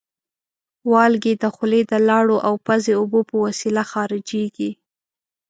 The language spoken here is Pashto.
والګی د خولې د لاړو او پزې اوبو په وسیله خارجېږي.